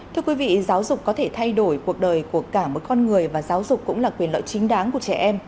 thưa quý vị giáo dục có thể thay đổi cuộc đời của cả một con người và giáo dục cũng là quyền lợi chính đáng của trẻ em